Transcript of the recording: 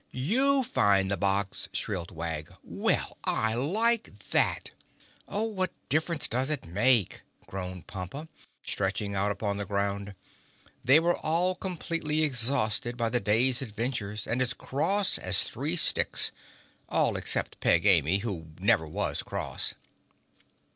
"You find the box!" shrilled Wag. "Well, I like that!" "Oh, what difference does it make?" groaned Pompa, stretching out upon the ground. They were all completely exhausted by the day's adventures and as cross as three sticks—all except Peg Amy, who never was cross.